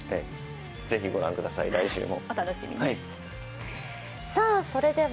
ぜひ御覧ください、来週も。